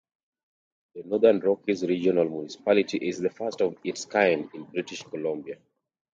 The Northern Rockies Regional Municipality is the first of its kind in British Columbia.